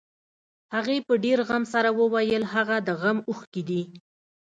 هغې په ډېر غم سره وويل هغه د غم اوښکې دي.